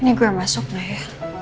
ini gue masuk ya